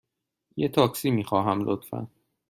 یه تاکسی می خواهم، لطفاً.